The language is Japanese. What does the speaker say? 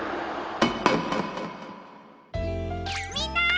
みんな！